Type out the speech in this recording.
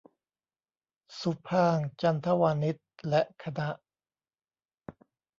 สุภางค์ จันทวานิช และคณะ